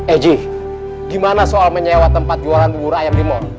eh eji gimana soal menyewa tempat jualan buru ayam di mall